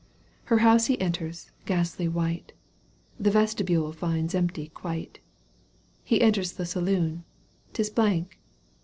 Her house he enters, ghastly white, The vestibule finds empty quite — He enters the saloon. 'Tis blank